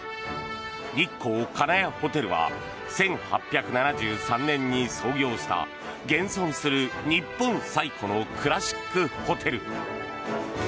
日光金谷ホテルは１８７３年に創業した現存する日本最古のクラシックホテル。